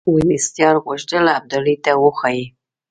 وینسیټارټ غوښتل ابدالي ته وښيي.